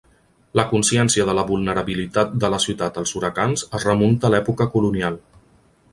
La consciència de la vulnerabilitat de la ciutat als huracans es remunta a l'època colonial.